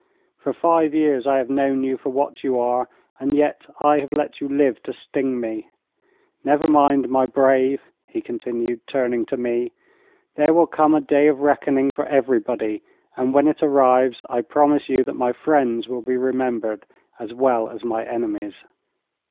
For five years I have known you for what you are, and yet I have let you live to sting me. Never mind, my brave,' he continued, turning to me, 'there will come a day of reckoning for everybody, and when it arrives, I promise you that my friends will be remembered as well as my enemies.'